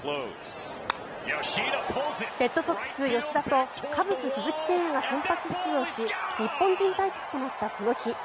レッドソックス、吉田とカブス、鈴木誠也が先発出場し日本人対決となったこの日。